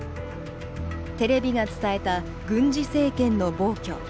テレビが伝えた軍事政権の暴挙